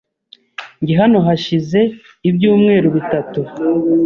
Njye hano hashize ibyumweru bitatu.